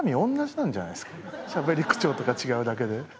しゃべり口調とか違うだけで。